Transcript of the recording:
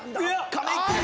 亀井君！